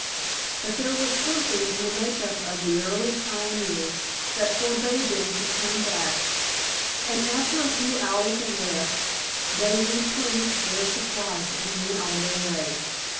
But there was something in the make up of the early pioneers that forbade them to turn back, and after a few hours of rest they replenished their supplies and went on their way.